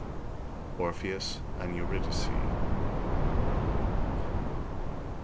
ORPHEUS AND EURYDICE.